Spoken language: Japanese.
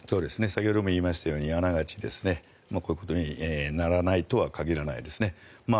先ほども言いましたようにあながちこういうことにならないとは限らないですね。